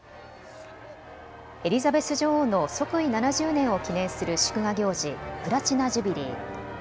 エリザベス女王の即位７０年を記念する祝賀行事、プラチナ・ジュビリー。